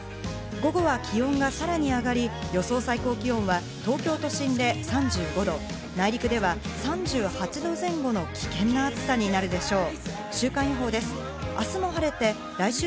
午後は気温がさらに上がり、予想最高気温は東京都心で３５度、内陸では３８度前後の危険な暑さになるでしょう。